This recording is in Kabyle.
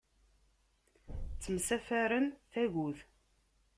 Ttemsafarren tagut.